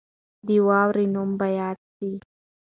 د واورې نوم به یاد سي.